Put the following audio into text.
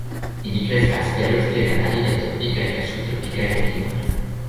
Ili kreskas plej ofte en aridaj tropikaj kaj subtropikaj regionoj.